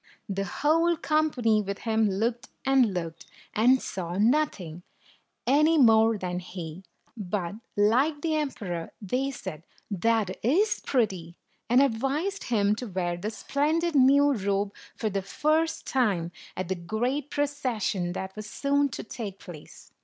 The whole company with him looked and looked, and saw nothing, any more than he; but, like the emperor, they said, "That is 123 pretty !" and advised him to wear the splendid new robe for the first time at the great proces sion that was soon to take place.